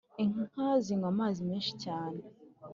Inka zinywa amazi menshi cyane